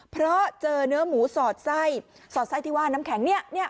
เพราะเจอเนื้อหมูสอดไส้สอดไส้ที่ว่าน้ำแข็งเนี่ย